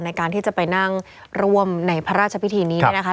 ในการที่จะไปนั่งร่วมในพระราชพิธีนี้เนี่ยนะคะ